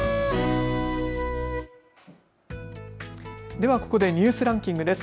ではここでニュースランキングです。